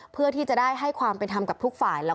เพื่อที่จะได้ให้ความเป็นธรรมกับทุกฝ่าย